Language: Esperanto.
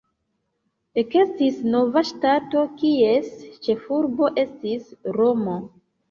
Ekestis nova ŝtato, kies ĉefurbo estis Romo.